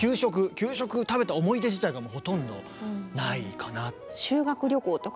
給食食べた思い出自体がもうほとんどないかな。